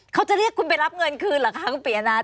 เขาจะเรียกคุณไปรับเงินคืนเหรอคะคุณปียนัท